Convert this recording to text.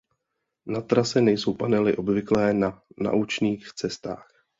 Na trase nejsou panely obvyklé na naučných cestách.